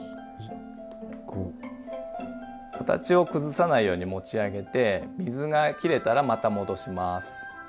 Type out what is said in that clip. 形を崩さないように持ち上げて水がきれたらまた戻します。